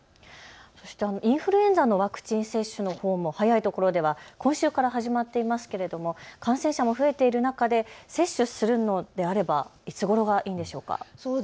インフルエンザのワクチン接種も早いところでは今週から始まっていますが感染者も増えている中で接種するのであればいつごろがいいんでしょうか。